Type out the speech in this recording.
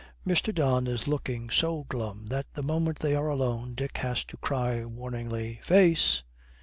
Mr. Don is looking so glum that the moment they are alone Dick has to cry warningly, 'Face!'